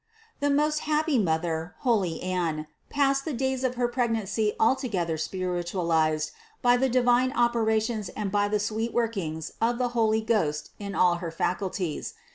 315. The most happy mother, holy Anne, passed the days of her pregnancy altogether spiritualized by the divine operations and by the sweet workings of the Holy Ghost in all her faculties.